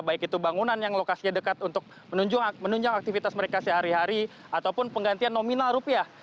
baik itu bangunan yang lokasinya dekat untuk menunjang aktivitas mereka sehari hari ataupun penggantian nominal rupiah